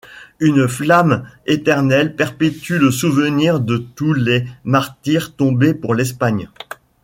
Une flamme éternelle perpétue le souvenir de tous les martyrs tombés pour l'Espagne.